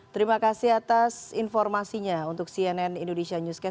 terima kasih atas informasinya untuk cnn indonesia newscast